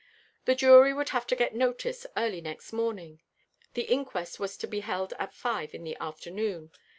The jury would have to get notice early next morning. The inquest was to be held at five in the afternoon.